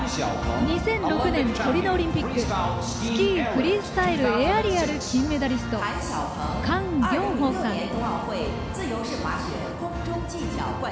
２００６年、トリノオリンピックスキー・フリースタイルエアリアル、金メダリスト韓暁鵬さん。